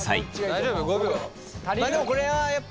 大丈夫？５秒。